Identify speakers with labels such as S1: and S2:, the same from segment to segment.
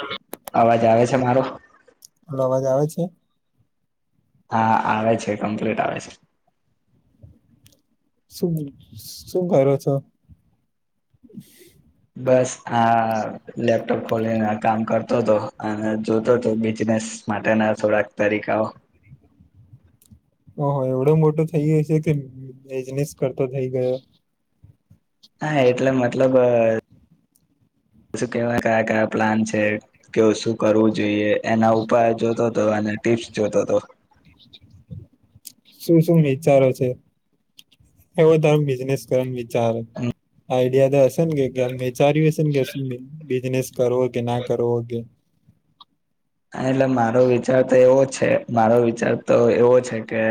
S1: Hello, અવાજ આવે છ છે મારો?
S2: અવાજ આવે છે?
S1: હા આવે છે કમ્પ્લીટ આવે છે.
S2: શ શું ઘર છો
S1: બસ આ લેપટોપ ખોલીને કામ કર તો હતો અને જોતો હતો બિઝનેસ માટેના થોડાક તરીકાઓ
S2: ઓહ એવડો મોટો થઈ ગયો છે કે બિઝનેસ કરતો થઇ ગયો
S1: હા એટલે મતલબ બ શું કેવા કયા કયા પ્લાન છે કે શું કરવું જોઈએ એના ઉપાય જોતો હતો અને ટીપ્સ જોતો હતો
S2: શું શું વિચારો છે એવો તાર બિઝનેસ કર ચાર આ દ હશે કેચારી્યું હશે કે બિજનેસ કરવો કે ના કરો કે
S1: એટલે મારો વિચાર તો એવો જ છે મારો વિચાર તો એવો છે કે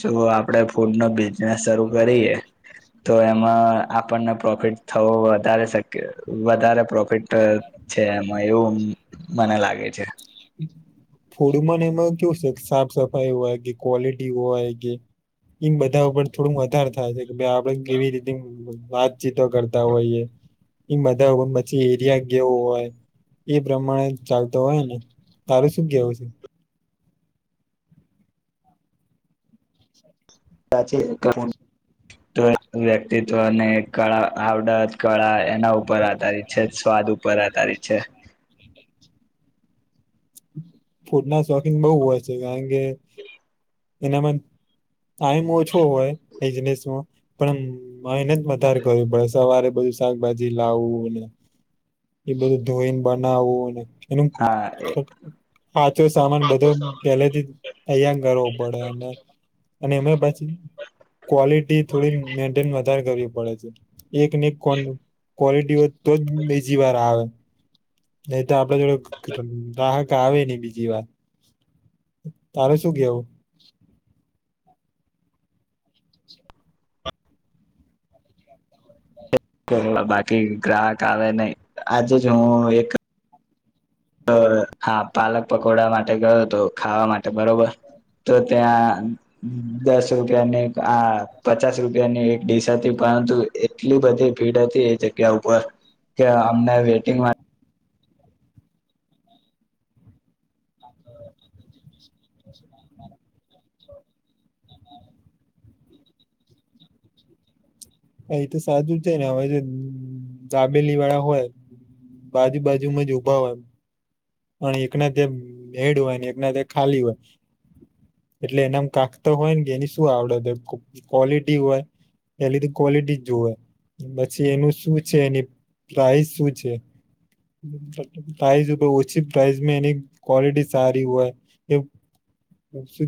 S1: જો આપણે ફૂડ નો બિઝનેસ શરૂ કરીએ તો એમાં આપણને પ્રોફિટ થવો વધારે શક વધારે પ્રોફિટ છે એમાં એવું મને લાગે છે
S2: ફૂડમાંન એમાં કેવું છે સાફ સફાઈ હોય કે ક્વોલિટી હોય કે એમ બધા ઉપર થોડુંક વધારે થાય છે કે ભાઈ આપડે કેવી રીતે વાતચીતો કરતા હોઈએ એમ બધાર પછી એરિયા કેવો હોય એ પ્રમાણે ચાલતો હોય ને તારેું શું કેવું છે
S1: વ્યક્તિત્વને કળા આવડા કળા એના ઉપર આધાર છે સ્વાદ ઉપર આધાર છે
S2: ફૂડ ના શોખીંગ બઉુ હોય છે કારણ કે એનામ ટાઈમ ઓછો હોય બિઝનેસમાં પણ એને જ વધારે કર્યું પડે સવારે બધું શાકભાજી લાવું ને એ બધું ધોઈને બનાવુંને
S1: હા
S2: [inaudible] હાચો સામાન બધો પેલેથી અહં કરવો પડે અને અને અમે ક્વલિટી થોડી મેન્ટેન ાર કરવી પડે છે એકનેક કોડ ક્વોલિટી હોય તો જ બજીી વાર આવે નહી તો આપડ જોડે ગહ આવે નહી બીજી વાર તારે શું કેવું
S1: બાકી ગ્રાહક આવે નહી આજે જ હું એક તો હા પાલક પકોડા માટે ગયો હતો ખાવા માટે બરોબર તો ત્યાં દસ રૂપિયા ની આ પચાસ રૂપિયા ની એક દસાથી પરંતુ એટલી બધી ભીડ હતી એ જગ્યા ઉપર કે અમને વેટિંગ
S2: [inaudible] એ તો સાચું છે ને હવે દાબેલી વાળા હોય બાજુ બાજુમાં જ ભા હોય અને એકના ભેડ હોયને એકના ખાલી હોય એટલે એનામ કાકત હોય ને કે એની શું આવડત ક્વોલિટી હોય એ લધું ક્વોલિટી જોએ પછી એનું શું છે એની પ્રઇસ શું છે પ્રાઇઝ ઓછી પ્રાઇઝમાં એની ક્વોલિટી સારી હોય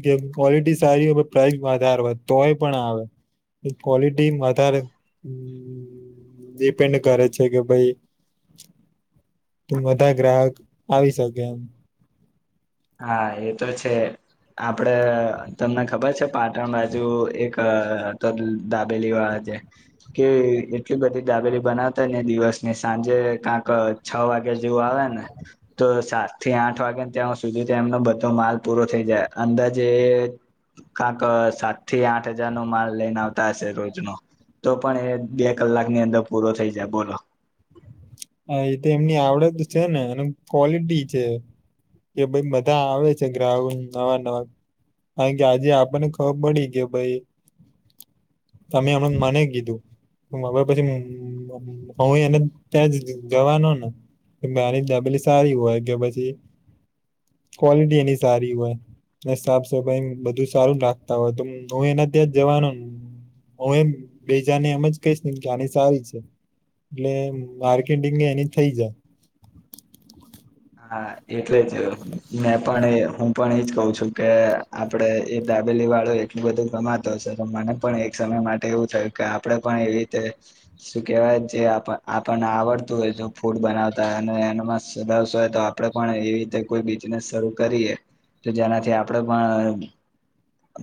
S2: કે ક્વોલિટી સારી હોય પ્રાઇસ વધારે હોય તોય પણ આવે ક્વોલિટી તારે ડિપેન્ડ કરે છે કે ભઈ તું બધા ગ્રાહક આવી શકે એમ
S1: હા એ તો છે આપ પડે તમને ખબર છે. પાટણ બાજુ એક દાબેલી વાળા છે, કે એટલી બધી દાબેલી બનાવતા ને દિવસ ને સાંજે કાક છ વાગ કે જેવું આવે ને તો સારું. થી આઠ વાગ્યા ત્યાં. સુધી તો એમનો બધો માલ પૂરો થઈ જાય અંદાજે એ કાક સાત થી આઠ હજાર નો માલ લઈને આવતા હશે રોજ નો તો પણ એ બે કલાકની અંદર પૂરો થઈ જાય બોલો.
S2: હા એ તો એમની આવડત છે ને એ ક્વોલિટી છે કે ભઈ બધા આવે છે, ગ્રાહ નવા નવા કારણ કે આજે આપણને ખબર પડી કે ભઈ તમે હમ મને કીધું હવે પછી હું એને ત્યાં જ જવાનો ને નાની ડબલી સારી હોય કે પછી ક્વોલિટી એની સારી હોય, સાફ સફાઈ બધું સારું રાખતા હોય તો હું એના ત્યાં જ જવાનોને હું એમ બેજાને એમ જ કહીશ ને કે આની સારી છે, એટલે એની થઈ જા
S1: હા એ ટલે જ માં તારો હું પણ એજ કહ છું કે આપણડે એ દાબેલી વાળો એટલું બધું ગમાતો હશે તો મને પણ એક સમય માટે એવું થયું કે આપડે પણ એવી રીતે શું કેહેવાય જે આપણને આવડતું હોય તો ફૂડ બનાવતા અને એમાં સદાવ સ્વ તો આપડે પણ એવી રીતે કોઈ બિઝનેસ શરૂ કરીએ તો જેનાથી આપડે પણ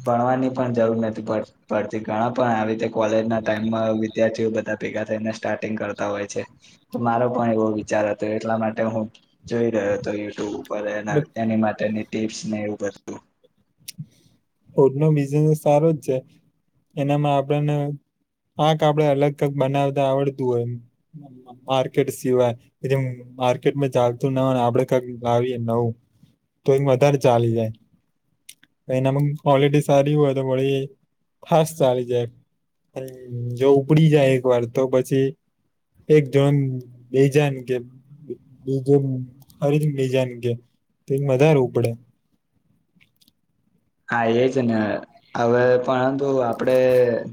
S1: ભણવાની પણ જરૂર નથી, પડતી ઘણા પણ આવી રીતે કોલેજના ટાઈમમાં વિદ્યાર્થીઓ બધા ભેગા થઈને સ્ટાર્ટિંગ કરતા હોય છે, તો મારો પણ એવો વિચાર હતો એટલા માટે હું જય રહ્યો હતો યુ ટ્યુબ. એની માટેની ટીપ્સને એવું બધું.
S2: ફૂડનો બિઝનેસ સારો જ છે એનામાં આપણને પાક આપડે અલગથીજ બનાવતા આવડતું હોય, માર્કેટ સિવાય જે માર્કેટમાં ચાલતું ના હોય આપડે કક લાવીએ નવું તો એ વધારે ચાલી જાય. એનામાં ક્વોલિટી સારી હોય તો પડી ફાસ્ટ ચાલી જાય જો ઉપડી જાય એક વાર તો પછી એક જન બે જને કે બીજું ફરી બીજાન કે એ વધારે ઉપડે.
S1: હા એજ ને હવે પરંતુ આપડે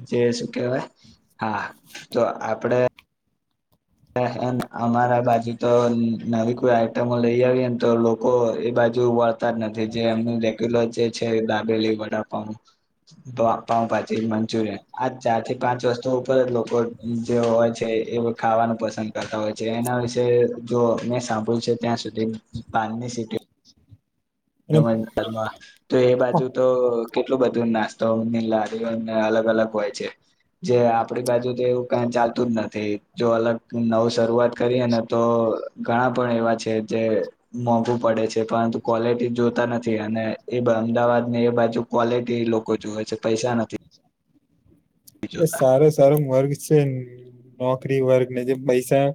S1: જે શું કેહેવાય હા તો આપડે. અમારા બાજુ તો નવી કોઈ આઈટમો લઈ આવીએને તો લોકો એ બાજુ વળતા જ નથી, જે એમનું રેગ્યુલર જે છે દાબેલી વડાપઉ પાઉ પાછી મંચુરિયન આ ચાર થી પાંચ વસ્તુ ઉપર લોકો જે હોય છે, એ ખાવાનું પસંદ કરતા હોય છે એના વિશે જો આપણે સાંભળ્યું છે ત્યાં સુધી પાનની સીટ
S2: અને
S1: તો એ બાજુ તો કેટલું બધું નાસ્તોની લારીઓને અલગ અલગ હોય છે, જે આપ પડી બાજુ જેવું કઈ ચાલ તું જ નથી જો અલગ નવું શરૂઆત કરીએ ને તો ઘણા પણ એવા છે, જે મોંઘુ પડે છે પરંતુ ક્વોલિટી જોતા નથી અને એ અમદાવાદ ને એ બાજુ ક્વોલિટી લોકો જોવે છે, પૈસા નથી.
S2: એ
S1: જોતા
S2: સારો સારો વર્ગ છે. નોકરી વર્ગને જે પૈસા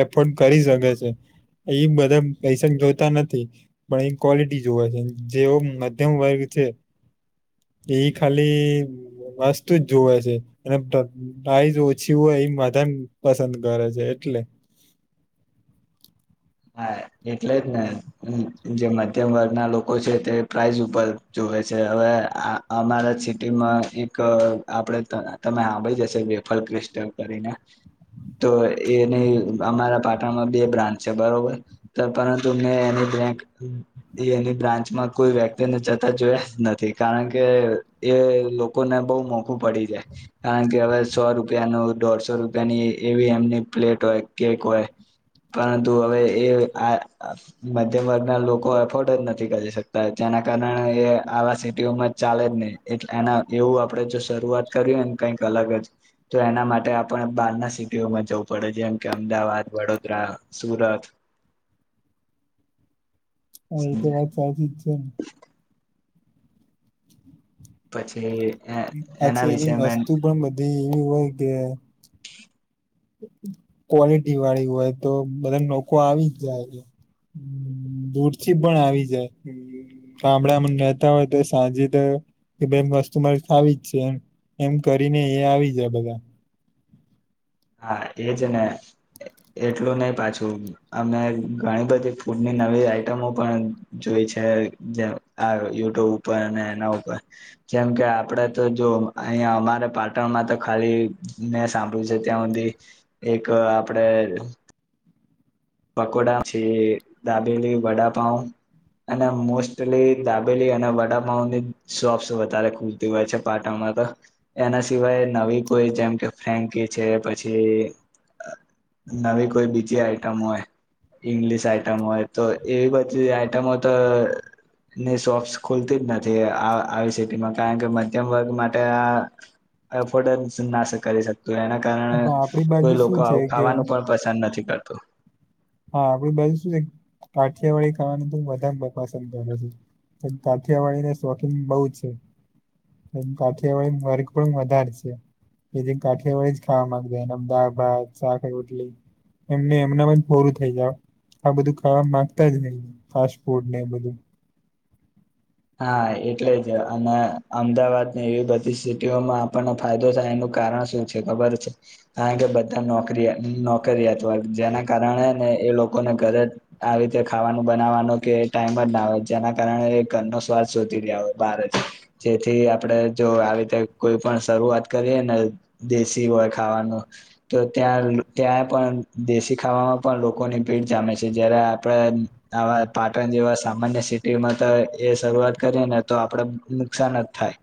S2: એફોર્ડ કરી શકે છે, પહી બધા પૈસા જોતા નથી પહી ક્વોલિટી જોવા છે, જેવ મધ્યમ વર્ગ છે એ ખાલી જ જોવે છે અને પ્રાઈઝ ઓછી હોય એ મધાન પસંદ કરે છે, એટલે.
S1: હા એટલે જ ને જે મધ્યમ વર્ગના લોકો છે તે પ્રાઇઝ ઉપર જોવે છે હવે આમારા સિટીમાં એક આપડે તમા આવડી જશે વેફલ ક્રિસ્ટલ કરીને તો એની અમારા પાટણમાં બે બ્રાન્ચ તો પરંતુ મે એની બ્રાન્ચમાં કોઈ વ્યક્તિને જતા જોયા જ નથી, કારણ કે એ લોકોને બઉ મોંઘુ પડી જાય કારણ કે હવે સો રૂપિયા નો દોઢસો રૂપિયાની એવી એમની પ્લેટ હોય કેક હોય. તો હવે એ આ મધ્યમ વર્ગના લોકો એફોર્ડ જ નથી કરી શકતા જેના કારણે એ આવા સિટીઓમાં ચાલે જ નહી, એટલે એના એવું આપડે જો શરૂઆત કરીને કઈક અલગ જ તો એના માટે આપણે બહારના સિટીઓમાં જવું પડે જેમ કે અમદાવાદ, વડોદરા. સુરત
S2: હા એ તો વાત સાચી જ તેન
S1: પછી એના
S2: પછી
S1: વિશે
S2: એની
S1: મેં
S2: વસ્તુ પણ બધી હોય કે ક્વોલિટી વાળી હોય તો બધા લોકો આવી જ જાય બૂટથી પણ આવી જાય ગામડામાં રહેતા હોય તો સાંજે તો કસ્ટમર આવી જ છે એમ કરીને એ આવી જાય બધા.
S1: હા એજ ને એટલું નહી પાછું અમે ઘણી બધી ફૂડની નવી આઈટમો પણ જોઈ છે જે આ યુટ્યુબ ઉપર અને એના ઉપર જેમ કે આપડે તો જો અહીંયા અમારે પાટણમાં તો ખાલી મેને સાંભળ્યું છે. ત્યાં સુધી એક આપડે પકોડાછી દાબેલી વડાપઉ અને મોસ્ટલી દાબેલી અને વડાપઉની સોપસ વધારે ખુલતી હોય છે પાટણમાં તો એના સિવાય નવી કોઈ જેમ કે ફ્રેન્કી છે પછી નવી કોઈ બીજી આ આ હોય ઈંગ્લિશ આઈટમ હોય તો એવી બધી આઈટમો તોની શોપ્સ ખુલતી જ નથી આવી સિટીમાં કારણ કે મધ્યમ વર્ગ માટે આફોર્ડ ના કરી તો એના કારણે
S2: પણ આપણી બાજુ
S1: કોઈ લોકો
S2: શું છે
S1: આવું
S2: કે
S1: ખાવાનું પણ પસંદ નથી [inaudible]
S2: હા આપડી બાજુ શું છે કાઠિયાવાડી ખાવાનું તો હ વધારે પસંદ કરું છું કાઠિયાવાડીને શોખીન બહુ છે કાઠિયાવાડી વર્ગ પણ વધારે છે કે જે કાઠિયાવાડી જ ખાવા માંગતા એના દા ભાત શાક રોટલી એમને એમના પરું થઈ જાાવ આ બધું ખાવા માંગતા જ નઈ ફાસ્ટ ફૂડ ને બધું.
S1: હા એટલે જ અને અમદાવાદને એવી બધી સિટીઓમાં આપણને ફાયદો થાય એનું કારણ શું છે ખબર છે કારણ કે બધા નોકરી નોકરીયાત વર્ગ જેના કારણે ને એ લોકોને ઘરે આવી રીતે ખાવાનું બનાવવાનું કે ટાઈમ જ ના હોય જેના કારણે. શધી રહ બાર જેથી આપણે જો આવી રીતે કોઈ પણ શરૂઆત કરીએ ને દેશી હોય ખાવાનું તો ત્યાં ત્યાં પણ દેશી ખાવામાં પણ લોકોની ભીડ જામે છે જયારે આપણે આ પાટણ જેવા સામાન્ય સિટીમાં તો એ શરૂઆત કરીએ ને તો આપણેે નુકસાન જ થાય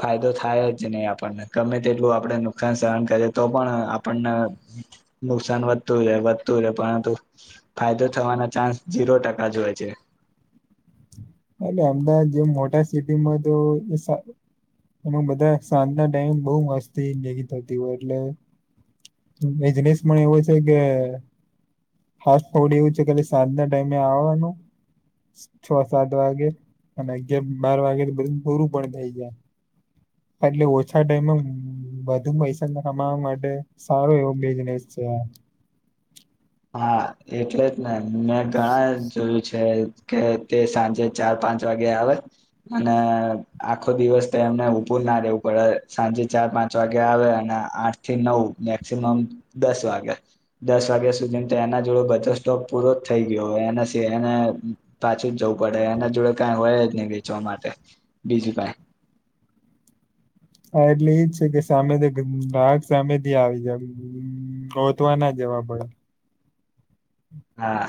S1: ફાયદો થાય જ નહીં આપણને ગમે તેટલું આપણે નુકસાન સહન કરીએ તો પણ આપણને નુકસાન વધતું વધતું હો પરંતુ ફાયદો થવાનો ચાન્સ ઝીરો ટકા જ હોય છે.
S2: એટલે અમદાવાદ જે મોટા સિટીમાં તો એ બધા સાંજના ટાઈમે બહુ મસ્તી લ થતી હોય એટલે એસ પણ એવો છે કે ફ ફડ એવું છે કે સાંજના ટાઈમે આવવાનું છ સાત વાે અને અગિય બાર વાગે બધું પૂરું પણ થઈ જાય એટલે ઓછા ટાઈમ વધુ પૈસા કમાવા માટે સારો એવો બિઝનેસ છે.
S1: હા એટલે જ ને. મેં ઘણા જોયું છે. કે તે સાંજે ચાર પાંચ વાગે આવે અને આખો દિવસ એમને ઉપું ના રહેેવું પડે સાંજે ચાર પાંચ વાગે આવે અને આઠ થી નવ મેક્સિમમ દસ વાગે દસ વાગે એના જોડે બધો સ્ટોક પૂરો જ થઈ ગયોય એ એને પાછું જ જવું પડે એના જોડે કઈ હોય જ નહી વેચવા માટે બીજું કઈ
S2: હા એટલે એજ છે કે સામેથી ગાક સામેથી આવી જ ગોતવા ના જવા પડે.
S1: હા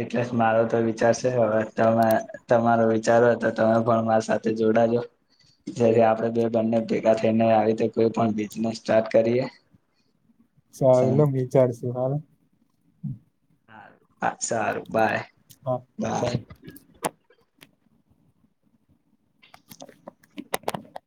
S1: એટલે મારો તો વિચાર છે હવે તમે તમારો વિચાર હો તો તમે પણ મારી સાથે જોડાજો જેથી આપણેે બે બંને ભેગા થઈને આવી રીતે કોઈ પણ બિઝનેસ સ્ટાર્ટ કરીએ.
S2: સલો વિચાર છે‌ જવાર.
S1: હારુ. હા સારું બાય બાય.
S2: [inaudible]